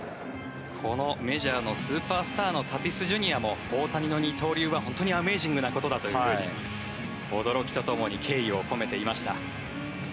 このメジャーのスーパースターのタティスＪｒ．も大谷の二刀流は本当にアメイジングなことだと驚きとともに敬意を込めていました。